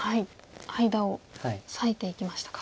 間を裂いていきましたか。